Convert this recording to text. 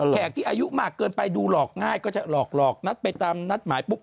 แขกที่อายุมากเกินไปดูหลอกง่ายก็จะหลอกนัดไปตามนัดหมายปุ๊บ